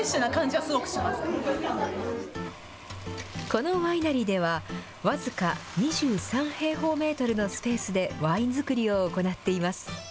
このワイナリーでは、僅か２３平方メートルのスペースでワイン造りを行っています。